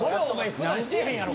普段してへんやろ！